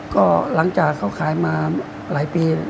ก็หลังจากเขาขายมาหลายปี